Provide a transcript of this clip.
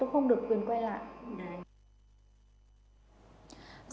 tôi không được quyền quay lại